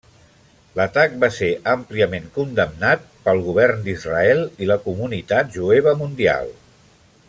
L'atac va ser àmpliament condemnat pel Govern d'Israel i la comunitat jueva mundial.